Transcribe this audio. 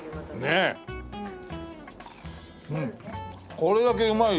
これだけうまい。